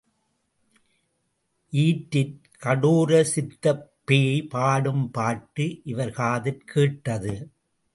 ஈற்றிற் கடோரசித்தப் பேய் பாடும் பாட்டு இவர் காதிற் கேட்டது.